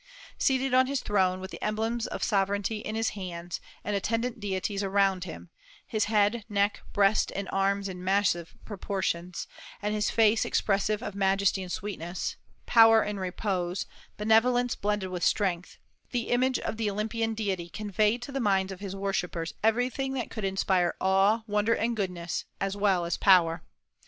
Seated on his throne, with the emblems of sovereignty in his hands and attendant deities around him, his head, neck, breast, and arms in massive proportions, and his face expressive of majesty and sweetness, power in repose, benevolence blended with strength, the image of the Olympian deity conveyed to the minds of his worshippers everything that could inspire awe, wonder, and goodness, as well as power.